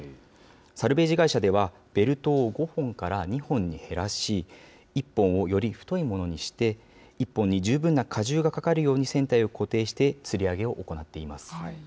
サルベージ会社では、ベルトを５本から２本に減らし、１本をより太いものにして、１本に十分な荷重がかかるように船体を固定してつり上げを行っています。